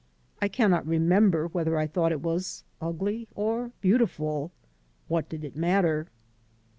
I cannot remember whether I thought it was ugly or beautiful. What did it matter?